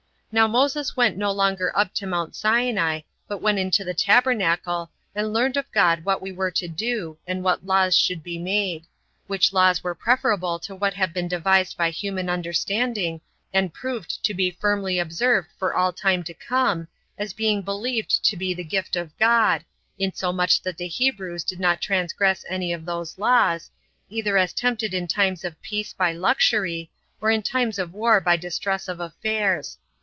Now Moses went no longer up to Mount Sinai, but went into the tabernacle, and learned of God what they were to do, and what laws should be made; which laws were preferable to what have been devised by human understanding, and proved to be firmly observed for all time to come, as being believed to be the gift of God, insomuch that the Hebrews did not transgress any of those laws, either as tempted in times of peace by luxury, or in times of war by distress of affairs.